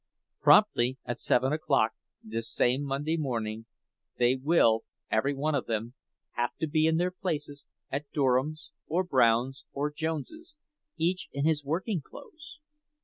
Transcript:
Promptly at seven o'clock this same Monday morning they will every one of them have to be in their places at Durham's or Brown's or Jones's, each in his working clothes.